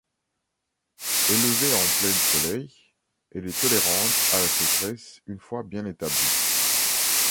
Élevée en plein soleil, elle est tolérante à la sécheresse une fois bien établie.